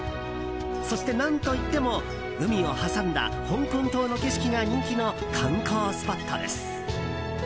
そして、何といっても海を挟んだ香港島の景色が人気の観光スポットです。